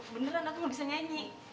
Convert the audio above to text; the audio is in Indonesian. beneran aku gak bisa nyanyi